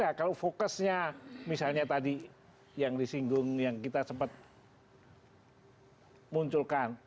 ya kalau fokusnya misalnya tadi yang disinggung yang kita sempat munculkan